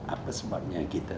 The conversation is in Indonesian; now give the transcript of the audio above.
apa sebabnya kita